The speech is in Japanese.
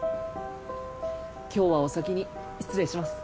今日はお先に失礼します。